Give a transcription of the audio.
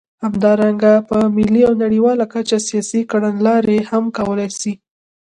همدارنګه په ملي او نړیواله کچه سیاسي کړنلارې هم کولای شي.